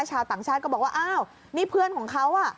ชาวต่างชาติก็บอกว่าอ้าวนี่เพื่อนของเขาอ่ะ